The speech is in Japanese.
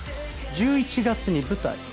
１１月に舞台。